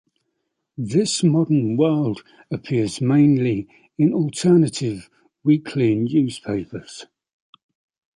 "This Modern World" appears mainly in alternative weekly newspapers.